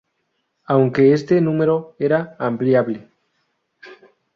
Aunque este número era ampliable.